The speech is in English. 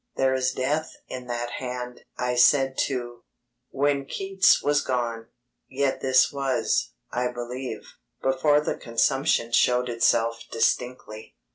"There is death in that hand," I said to , when Keats was gone; yet this was, I believe, before the consumption showed itself distinctly.